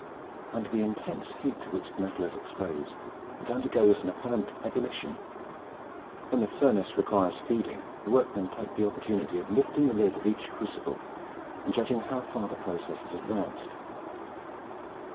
Under the intense heat to which the metal is exposed, it undergoes an apparent ebullition. When the furnace requires feeding, the workmen take the opportunity of lifting the lid of each crucible and judging how far the process has advanced.